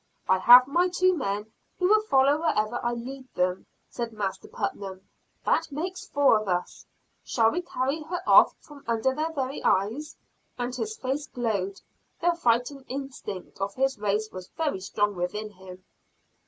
"I have my two men, who will follow wherever I lead them," said Master Putnam. "That makes four of us. Shall we carry her off from under their very eyes?" And his face glowed the fighting instinct of his race was very strong within him.